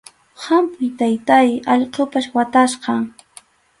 ¡Hampuy, taytáy, allqupas watasqam!